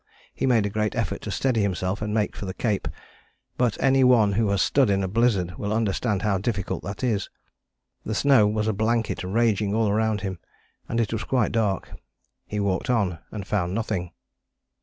He made a great effort to steady himself and make for the Cape, but any one who has stood in a blizzard will understand how difficult that is. The snow was a blanket raging all round him, and it was quite dark. He walked on, and found nothing.